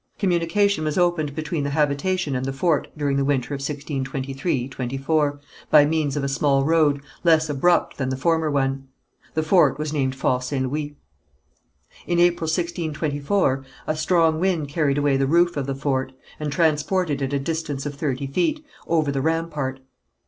Communication was opened between the habitation and the fort during the winter of 1623 4, by means of a small road, less abrupt than the former one. The fort was named Fort St. Louis. In April 1624, a strong wind carried away the roof of the fort, and transported it a distance of thirty feet, over the rampart.